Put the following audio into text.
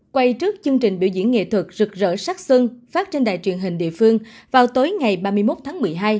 quay trước chương trình biểu diễn nghệ thuật rực rỡ sắc xuân phát trên đài truyền hình địa phương vào tối ngày ba mươi một tháng một mươi hai